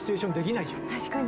確かに。